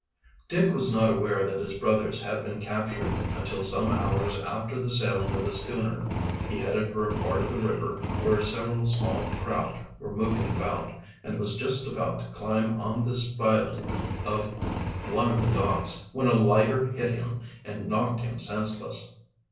Dick was not aware that his brothers had been captured until some hours after the sailing of the schooner. He headed for a part of the river where several small craft were moving about, and was just about to climb up the spiling of one of the docks when a lighter hit him and knocked him senseless.